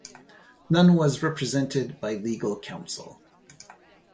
None was represented by legal counsel.